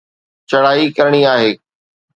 چڙهائي ڪرڻي آهي.